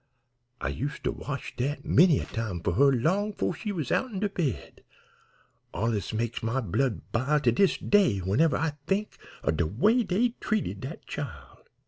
I used to wash dat many a time for her long 'fore she was outen her bed. Allus makes my blood bile to dis day whenever I think of de way dey treated dat chile.